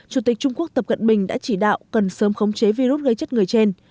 chủ tịch trung quốc tập cận bình đã chỉ đạo cần sớm khống chế virus gây chất người trên